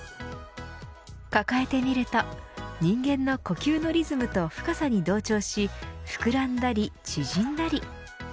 抱えてみると、人間の呼吸のリズムと深さに同調し膨らんだり縮んだり。